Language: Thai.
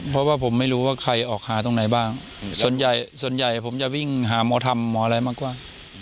เพราะว่าผมไม่รู้ว่าใครออกหาตรงไหนบ้างส่วนใหญ่ส่วนใหญ่ผมจะวิ่งหาหมอธรรมหมออะไรมากกว่า